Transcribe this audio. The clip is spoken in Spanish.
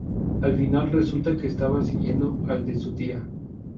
Al final resulta que estaban siguiendo al de su tía.